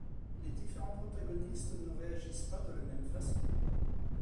Les différents protagonistes ne réagissent pas de la même façon.